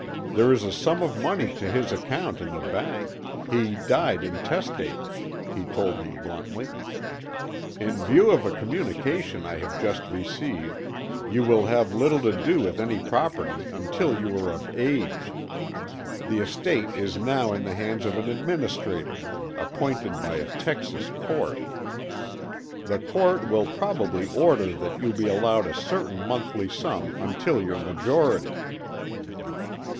There is a sum of money to his account in the bank. He died intestate," he told me bluntly. "In view of a communication I have just received, you will have little to do with any property until you are of age. The estate is now in the hands of an administrator—appointed by a Texas court. The court will probably order that you be allowed a certain monthly sum until your majority."